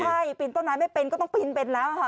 ใช่ปีนต้นไม้ไม่เป็นก็ต้องปีนเป็นแล้วค่ะ